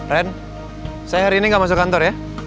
ren saya hari ini gak masuk kantor ya